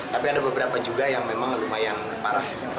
tapi ada beberapa juga yang memang lumayan parah